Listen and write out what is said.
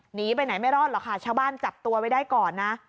หนีไปไหนไม่รอดหรอกค่ะชาวบ้านจับตัวไว้ได้ก่อนนะ